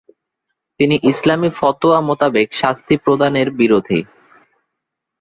তিনি ইসলামী ফতোয়া মোতাবেক শাস্তি প্রদানের বিরোধী।